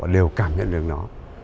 đều cảm nhận được nó